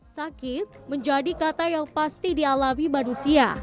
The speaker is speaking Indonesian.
sakit menjadi kata yang pasti dialami manusia